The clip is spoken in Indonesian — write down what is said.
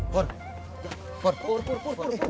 pur pur pur pur pur